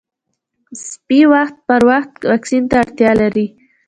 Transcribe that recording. سپي وخت پر وخت واکسین ته اړتیا لري.